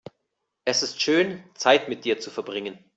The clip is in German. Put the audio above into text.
Es ist schön, Zeit mit dir zu verbringen.